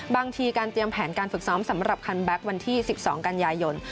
บางทีการเตรียมแผนการฝึกซ้อมสำหรับคันแบ็ควันที่๑๒กันยายน